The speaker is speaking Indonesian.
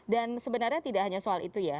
sebenarnya tidak hanya soal itu ya